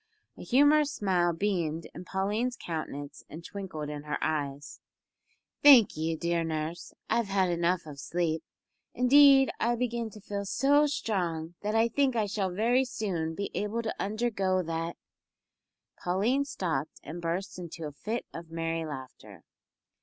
A humorous smile beamed in Pauline's countenance and twinkled in her eyes. "Thank you, dear nurse, I've had enough of sleep. Indeed, I begin to feel so strong that I think I shall very soon be able to undergo that " Pauline stopped and burst into a fit of merry laughter.